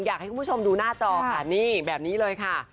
อยากให้คุณผู้ชมดูหน้าจอค่ะนี่แบบนี้เลยค่ะ